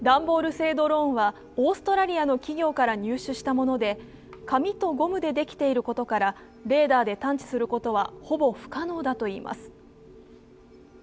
製ドローンはオーストラリアの企業から入手したもので、紙とゴムでできていることから、レーダーで探知することはほぼ不可能だといいます。